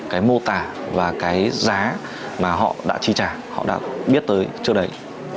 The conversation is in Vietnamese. cái mô tả và cái giá mà họ đã chi trả họ đã biết tới trước đấy